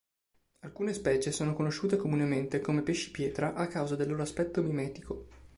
Alcune specie sono conosciute comunemente come pesci pietra a causa del loro aspetto mimetico.